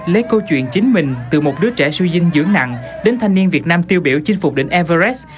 lấy câu chuyện chính mình từ một đứa trẻ suy dinh dưỡng nặng đến thanh niên việt nam tiêu biểu chinh phục định everes